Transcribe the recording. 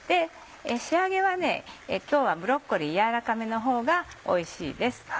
仕上げは今日はブロッコリー軟らかめのほうがおいしいです。